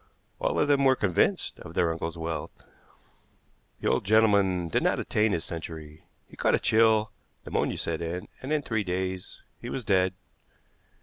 All of them were convinced of their uncle's wealth. The old gentleman did not attain his century. He caught a chill, pneumonia set in, and in three days he was dead.